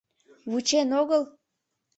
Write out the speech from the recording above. Вучен огыл?